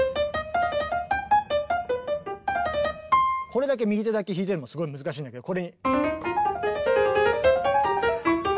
これだけ右手だけ弾いててもすごい難しいんだけどこれに。